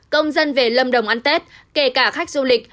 công dân về lâm đồng ăn tết kể cả khách du lịch